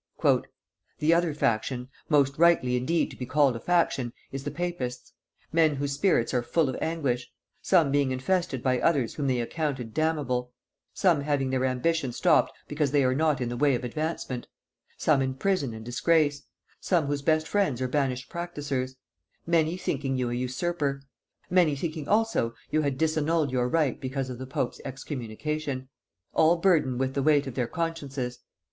"The other faction, most rightly indeed to be called a faction, is the papists; men whose spirits are full of anguish; some being infested by others whom they accounted damnable; some having their ambition stopped because they are not in the way of advancement; some in prison and disgrace; some whose best friends are banished practisers; many thinking you an usurper; many thinking also you had disannulled your right because of the pope's excommunication; all burthened with the weight of their consciences.